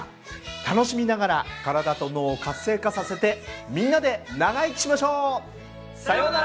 楽しみながら体と脳を活性化させてみんなで長生きしましょう！さよなら！